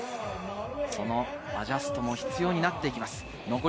そのアジャストも必要になってきます。